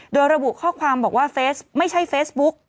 โดยระบุข้อความบอกว่าเฟสไม่ใช่เฟซบุ๊ก